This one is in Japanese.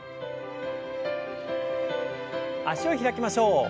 脚を開きましょう。